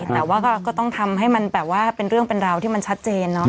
แต่ว่าก็ต้องทำให้มันแบบว่าเป็นเรื่องเป็นราวที่มันชัดเจนเนอะ